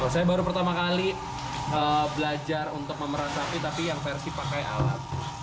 saya baru pertama kali belajar untuk memeran sapi tapi yang versi pakai alat